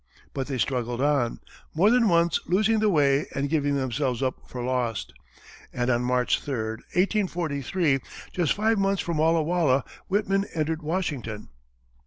But they struggled on, more than once losing the way and giving themselves up for lost, and on March 3, 1843, just five months from Walla Walla, Whitman entered Washington.